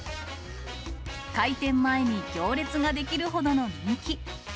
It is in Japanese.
開店前に行列が出来るほどの人気。